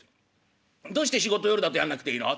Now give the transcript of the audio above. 「どうして仕事夜だとやんなくていいの？」っつって。